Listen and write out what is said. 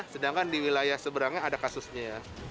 sedangkan di wilayah seberangnya ada kasusnya ya